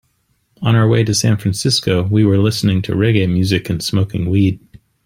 On our way to San Francisco, we were listening to reggae music and smoking weed.